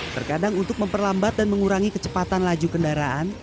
terkadang untuk memperlambat dan mengurangi kecepatan laju kendaraan